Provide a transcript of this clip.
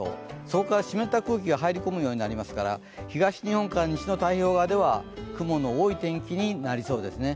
そこから湿った空気が入り込むようになりますから、東日本から西の太平洋側では雲の多い天気になりそうですね。